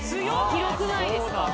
広くないですか？